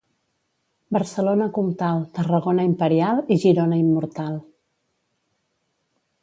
Barcelona comtal, Tarragona imperial i Girona immortal.